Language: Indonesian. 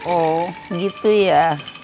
oh gitu ya